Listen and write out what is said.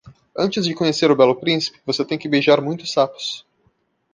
Antes de conhecer o belo príncipe, você tem que beijar muitos sapos.